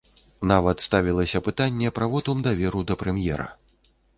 Нават ставілася пытанне пра вотум даверу да прэм'ера.